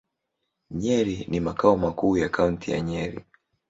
Nyeri ni makao makuu ya Kaunti ya Nyeri.